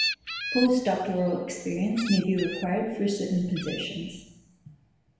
Postdoctoral experience may be required for certain positions.